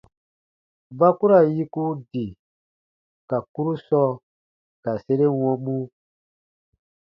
Ba ku ra yiku di ka kurusɔ ka sere wɔmu.